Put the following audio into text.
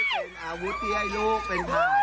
ขอให้เติมอาวุธที่ให้ลูกเป็นผ่านนะ